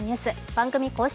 番組公式